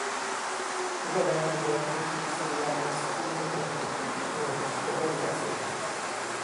Uważamy, że konieczne są ramy wspólnej polityki i środowisko regulacyjne